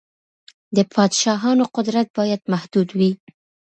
د پادشاهانو قدرت بايد محدود وي.